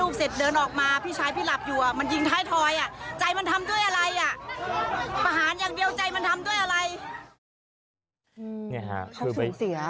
เขาสูงเสีย